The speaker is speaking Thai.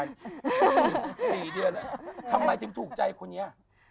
๔เดือนแล้วทำไมถึงถูกใจคนนี้